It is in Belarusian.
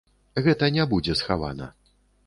Гэта не будзе схавана.